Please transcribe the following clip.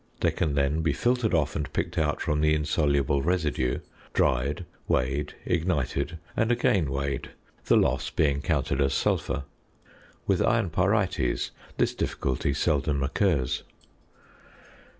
They can then be filtered off and picked out from the insoluble residue, dried, weighed, ignited, and again weighed, the loss being counted as sulphur. With iron pyrites this difficulty seldom occurs.